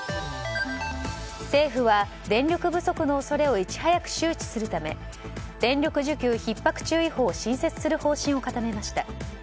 政府は電力不足の恐れをいち早く周知するため電力需給ひっ迫注意報を新設する方針を固めました。